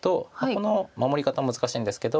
この守り方難しいんですけど。